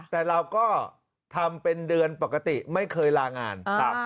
แต่เราก็ทำเป็นเดือนปกติไม่เคยลางาน